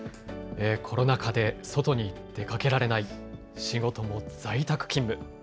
コロナ禍で外に出かけられない、仕事も在宅勤務。